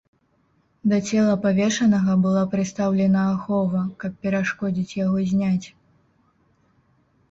Да цела павешанага была прыстаўлена ахова, каб перашкодзіць яго зняць.